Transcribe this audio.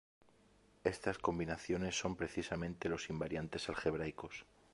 Estas combinaciones son precisamente los invariantes algebraicos.